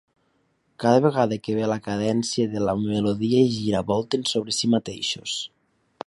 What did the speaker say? Cada vegada que ve la cadència de la melodia giravolten sobre si mateixos.